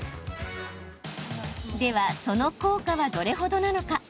では、その効果はどれほどなのか。